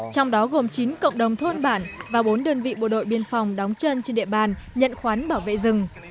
trong đó gồm chín cộng đồng thôn bản và bốn đơn vị bộ đội biên phòng đóng chân trên địa bàn nhận khoán bảo vệ rừng